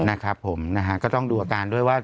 นะครับผมนะฮะก็ต้องดูอาการด้วยว่า